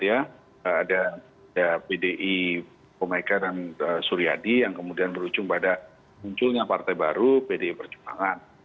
ada pdi komeka dan suryadi yang kemudian berujung pada munculnya partai baru pdi perjuangan